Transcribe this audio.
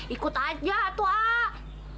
ikut aja tuh ah